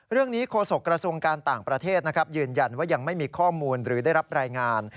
โฆษกระทรวงการต่างประเทศนะครับยืนยันว่ายังไม่มีข้อมูลหรือได้รับรายงาน